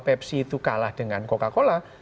pepsi itu kalah dengan coca cola